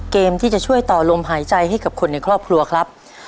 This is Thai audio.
เกมที่จะช่วยต่อลมหายใจให้กับคนในครอบครัวครับ